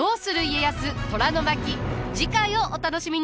次回をお楽しみに。